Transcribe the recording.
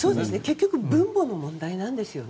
結局分母の問題なんですよね。